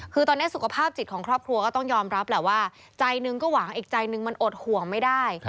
คือตอนนี้สุขภาพจิตของครอบครัวก็ต้องยอมรับแหละว่าใจหนึ่งก็หวังอีกใจหนึ่งมันอดห่วงไม่ได้